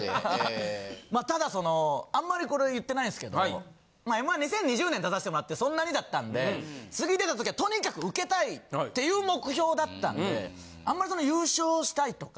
ただそのあんまりこれは言ってないんすけど『Ｍ−１』２０２０年出させてもらってそんなにだったんで次出た時はとにかくウケたいっていう目標だったんであんまり。